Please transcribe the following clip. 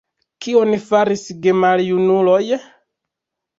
Kion faris gemaljunuloj?